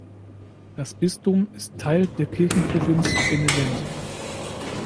Das Bistum ist Teil der Kirchenprovinz Benevent.